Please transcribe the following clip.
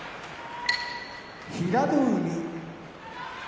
平戸海